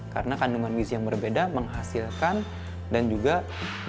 karena kandungan gizi yang berbeda menghasilkan dan juga bisa